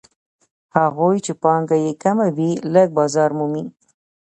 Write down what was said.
هغوی چې پانګه یې کمه وي لږ بازار مومي